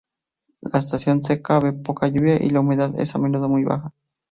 La estación seca ve poca lluvia y la humedad es a menudo muy baja.